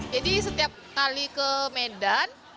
jadi setiap kali ke medan